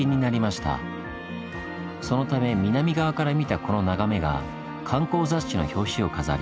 そのため南側から見たこの眺めが観光雑誌の表紙を飾り